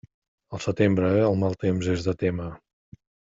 Al setembre, el mal temps és de témer.